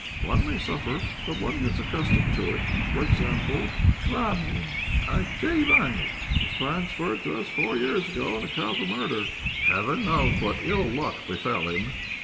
One may suffer, but one gets accustomed to it. For instance, Chvabrine, Alexey Iványtch, was transferred to us four years ago on account of a murder. Heaven knows what ill luck befel him.